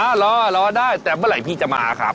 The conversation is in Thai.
รอรอได้แต่เมื่อไหร่พี่จะมาครับ